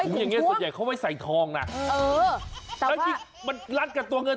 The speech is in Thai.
มันเป็นถุงแดงส่วนใหญ่เขาไปใส่ทองนะมานี่ลัดกับเนื้อตัวทองไป